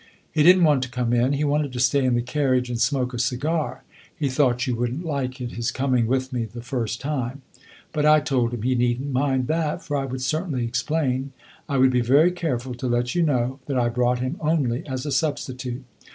He did n't want to come in he wanted to stay in the carriage and smoke a cigar; he thought you would n't like it, his coming with me the first time. But I told him he need n't mind that, for I would certainly explain. I would be very careful to let you know that I brought him only as a substitute.